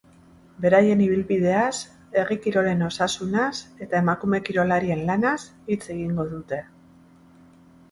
Beraien ibilbideaz, herri kirolen osasunaz eta emakume kirolarien lanaz hitz egingo dute.